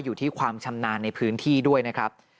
อยู่ที่ความชำนาญในพื้นที่ด้วยนะครับ